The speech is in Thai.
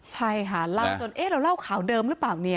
ใช่ค่ะเล่าจนเราเล่าข่าวเดิมหรือเปล่า